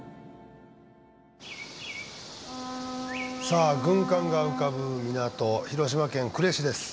さあ軍艦が浮かぶ港広島県呉市です。